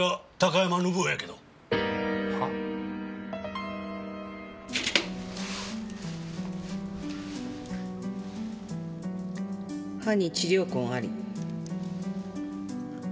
歯に治療痕あり。